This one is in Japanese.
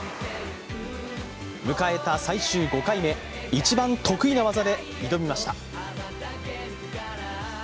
迎えた最終５回目、一番得意な技で挑みました。